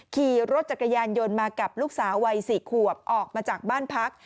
ขี่รถจักรยานยนต์มากับลูกสาววัย๔ขวบออกมาจากบ้านพัก